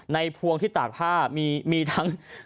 พวงที่ตากผ้ามีทั้ง